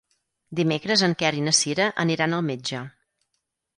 Dimecres en Quer i na Cira aniran al metge.